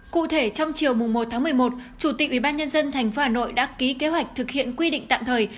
cụ thể trong chiều một một mươi một chủ tịch ubnd tp hà nội đã ký kế hoạch thực hiện quy định tạm thời